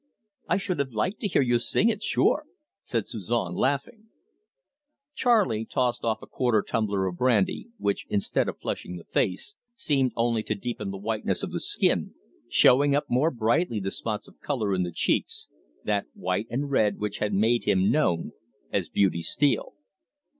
'" "I should have liked to hear you sing it sure!" said Suzon, laughing. Charley tossed off a quarter tumbler of brandy, which, instead of flushing the face, seemed only to deepen the whiteness of the skin, showing up more brightly the spots of colour in the cheeks, that white and red which had made him known as Beauty Steele.